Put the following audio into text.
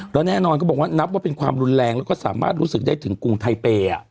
แล้วแน่นอนก็บอกว่านับว่าเป็นความรุนแรงแล้วก็สามารถรู้สึกได้ถึงกรุงไทเปย์